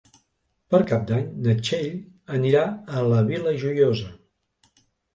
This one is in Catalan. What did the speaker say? Per Cap d'Any na Txell anirà a la Vila Joiosa.